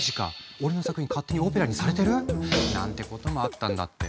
俺の作品勝手にオペラにされてる⁉なんてこともあったんだって。